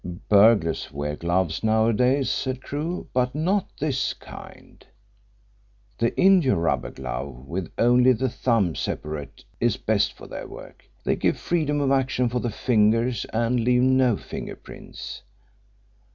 "Burglars wear gloves nowadays," said Crewe, "but not this kind. The india rubber glove with only the thumb separate is best for their work. They give freedom of action for the fingers and leave no finger prints.